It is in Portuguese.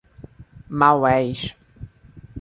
Maués